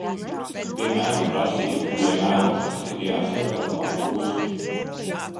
Piemēram, prasību piemērošana ir jāsadala pa posmiem.